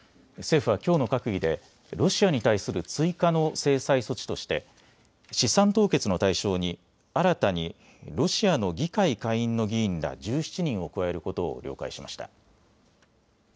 政府はきょうの閣議でロシアに対する追加の制裁措置として資産凍結の対象に新たにロシアの議会下院の議員ら１７人を加えることを了解しました。